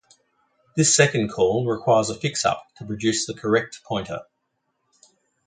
This second call requires a fixup to produce the correct pointer.